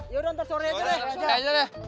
ya udah ntar sore aja deh